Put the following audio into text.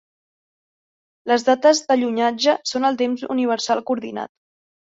Les dates d'allunatge són el temps universal coordinat.